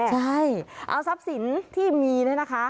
ใช่เอาทรัพย์สินที่มีนะคะ